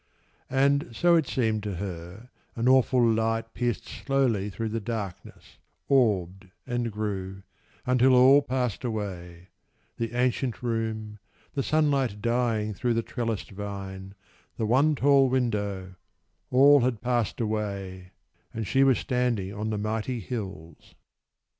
And, so it seemed to her, an awful light Pierced slowly through the darkness, orbed, and grew, Until all passed away the ancient room The sunlight dying through the trellised vine The one tall window all had passed away, And she was standing on the mighty hills.